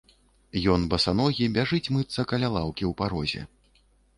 І ён басаногі бяжыць мыцца каля лаўкі ў парозе.